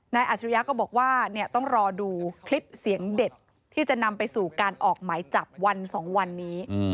อาจริยะก็บอกว่าต้องรอดูคลิปเสียงเด็ดที่จะนำไปสู่การออกหมายจับวัน๒วันนี้